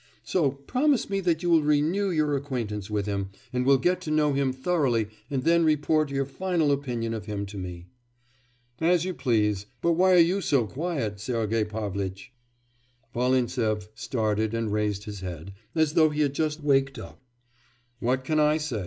So promise me that you will renew your acquaintance with him, and will get to know him thoroughly and then report your final opinion of him to me.' 'As you please. But why are you so quiet, Sergei Pavlitch?' Volintsev started and raised his head, as though he had just waked up. 'What can I say?